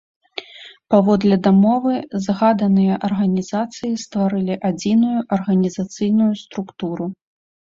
Паводле дамовы, згаданыя арганізацыі стварылі адзіную арганізацыйную структуру.